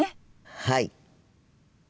はい。